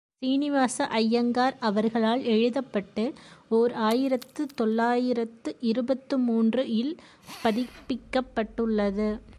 சீனிவாச அய்யங்கார் அவர்களால் எழுதப்பட்டு, ஓர் ஆயிரத்து தொள்ளாயிரத்து இருபத்து மூன்று ல் பதிப்பிக்கப்பட்டுள்ளது.